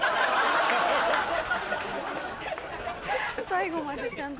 最後までちゃんと。